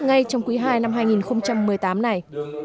ngay trong quý ii năm hai nghìn một mươi tám này